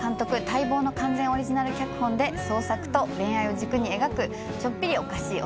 待望の完全オリジナル脚本で創作と恋愛を軸に描くちょっぴりおかしい